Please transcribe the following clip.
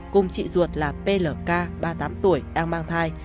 cùng chị ruột là plk ba mươi tám tuổi đang mang thai